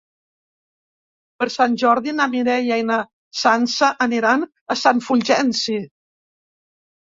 Per Sant Jordi na Mireia i na Sança aniran a Sant Fulgenci.